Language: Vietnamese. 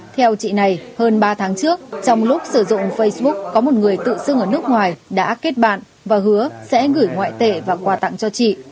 theo chị này hơn ba tháng trước trong lúc sử dụng facebook có một người tự xưng ở nước ngoài đã kết bạn và hứa sẽ gửi ngoại tệ và quà tặng cho chị